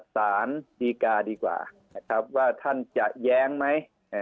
สารดีการดีกว่าว่าท่านจะแย้งไหม